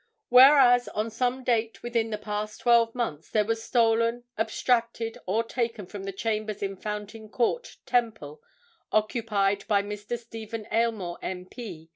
"WHEREAS, on some date within the past twelve months, there was stolen, abstracted, or taken from the chambers in Fountain Court, Temple, occupied by Mr. Stephen Aylmore, M.P.